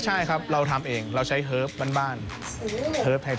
ใช่ครับเราทำเองเราใช้เฮิร์ฟบ้านเฮิร์ฟ